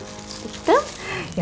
ya tergantung restorannya